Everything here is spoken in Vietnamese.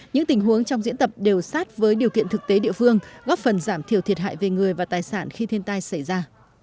những tình huống trong diễn tập đều sát với điều kiện thực tế địa phương góp phần giảm thiểu thiệt hại về người và tài sản khi thiên tai xảy ra